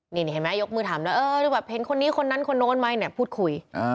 นี่เห็นไหมยกมือถามแล้วเออแบบเห็นคนนี้คนนั้นคนโน้นไหมเนี่ยพูดคุย